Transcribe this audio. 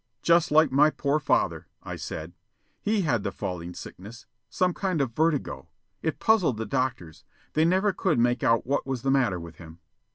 "Just like my poor father," I said. "He had the falling sickness. Some kind of vertigo. It puzzled the doctors. They never could make out what was the matter with him."